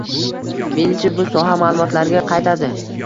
Menimcha, bu soha maʼlumotlarga qaytadi.